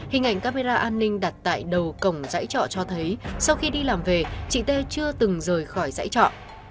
hình ảnh camera an ninh đặt tại đầu cổng giãi trọ cho thấy sau khi đi làm về chị t chưa từng rời khỏi giãi trọ